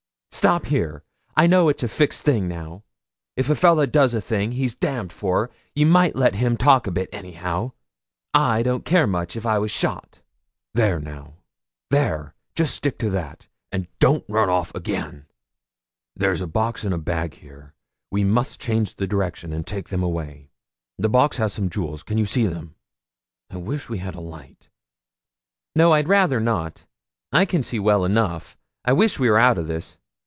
Stop here. I know it's a fixt thing now. If a fella does a thing he's damned for, you might let him talk a bit anyhow. I don't care much if I was shot.' 'There now there just stick to that, and don't run off again. There's a box and a bag here; we must change the direction, and take them away. The box has some jewels. Can you see them? I wish we had a light.' 'No, I'd rayther not; I can see well enough. I wish we were out o' this.